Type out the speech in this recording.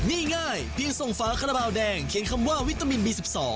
นี่ง่ายเพียงส่งฝาคาราบาลแดงเขียนคำว่าวิตามินบี๑๒